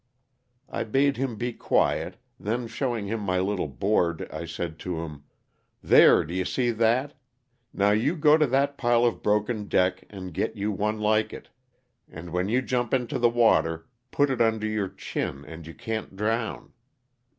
I bade him be quiet, then showing him my little board I said to him, '^ there, do you see that; now you go to that pile of broken deck and get you one like it, and when you jump into the water put it under your chin and you can't drown."